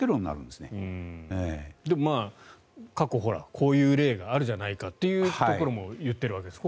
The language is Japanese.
でも過去、こういう例があるじゃないかというところも言っているわけです。